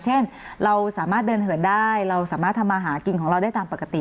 เช่นเราสามารถเดินเหินได้เราสามารถทำมาหากินของเราได้ตามปกติ